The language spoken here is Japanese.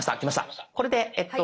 これでえっと